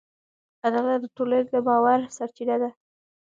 عدالت د ټولنې د باور سرچینه ده.